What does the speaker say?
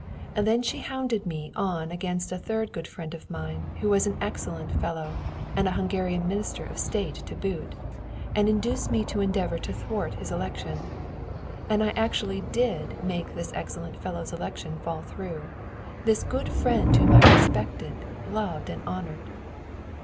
Then she hounded me on against a third good friend of mine, who was an excellent fellow, and a Hungarian Minister of State to boot, and induced me to endeavour to thwart his election. And I actually did make this excellent fellow's election fall through, this good friend whom I respected, loved and honoured.